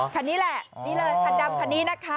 คันดำคันนี้นะคะ